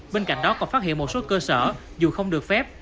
bên cạnh đó còn phát hiện một số cơ sở dù không được phép